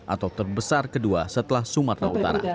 atau terbesar kedua setelah sumatera utara